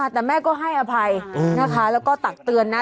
แต่แม่ก็ให้อภัยนะคะแล้วก็ตักเตือนนะ